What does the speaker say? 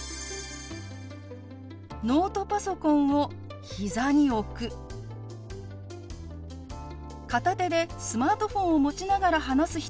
ノートパソコンを膝に置く片手でスマートフォンを持ちながら話す人もいるかもしれません。